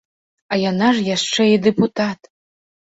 А яна ж яшчэ і дэпутат.